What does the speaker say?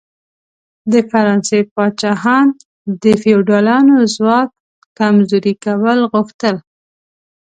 د فرانسې پاچاهان د فیوډالانو ځواک کمزوري کول غوښتل.